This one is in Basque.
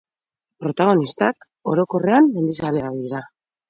Protagonistak, orokorrean, mendizaleak dira.